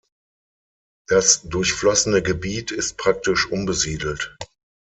Das durchflossene Gebiet ist praktisch unbesiedelt.